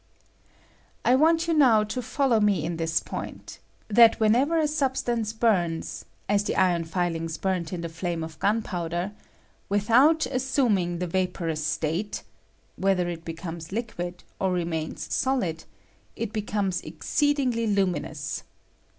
I want you now to follow me in this point — that whenever a substance bums, aa the iron fihnga burnt in the flams' of gunpowder, with out assuming th9 vaporous state (whether it ^^_ becomes liquid or remains solid), it becomes ^^M exceedingly luminous.